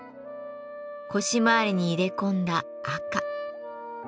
腰回りに入れ込んだ赤。